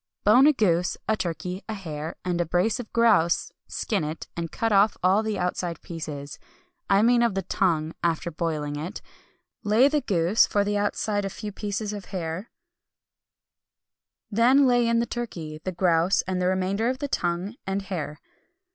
Bone a goose, a turkey, a hare, and a brace of grouse; skin it, and cut off all the outside pieces I mean of the tongue, after boiling it lay the goose, for the outside a few pieces of hare; then lay in the turkey, the grouse, and the remainder of the tongue and hare.